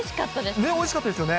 ね、おいしかったですよね。